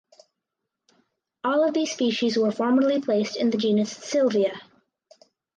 All of these species were formerly placed in the genus "Sylvia".